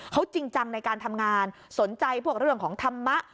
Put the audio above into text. เขาจริงจังในการทำงานสนใจพวกเรื่องของธรรมะ